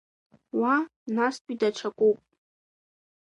Уа настәи даҽакуп.